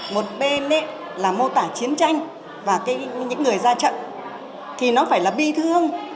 một bên là mô tả chiến tranh và những người ra trận thì nó phải là bi thương